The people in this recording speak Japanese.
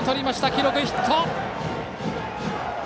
記録はヒット。